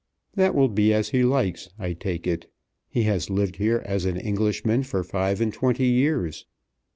"That will be as he likes, I take it. He has lived here as an Englishman for five and twenty years."